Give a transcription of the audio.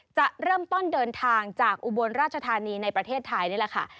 จะเริ่มต้นเดินทางจากอุบลราชธานีในประเทศไทยนี่แหละค่ะ